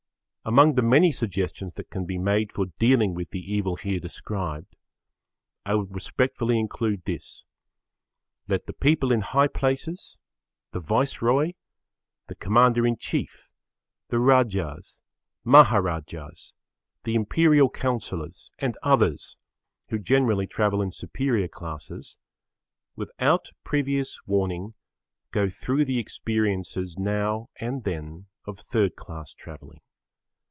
Among the many suggestions that can be made for dealing with the evil here described, I would respectfully include this: let the people in high places, the Viceroy, the Commander in Chief, the Rajas, Maharajas, the Imperial Councillors and others, who generally travel in superior classes, without previous warning, go through the experiences now and then of third class travelling.